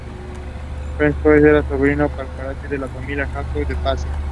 Francesco era sobrino del patriarca de la familia, Jacobo de Pazzi.